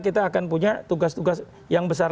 kita akan punya tugas tugas yang besar